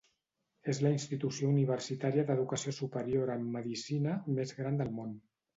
És la institució universitària d'educació superior en medicina més gran del món.